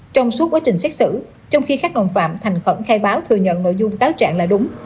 trong suốt quá trình xét xử trong khi các đồng phạm thành khẩn khai báo thừa nhận nội dung cáo trạng là đúng